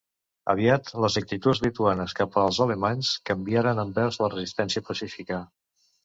Aviat les actituds lituanes cap als alemanys canviaren envers la resistència pacífica.